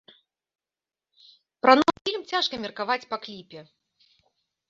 Пра новы фільм цяжка меркаваць па кліпе.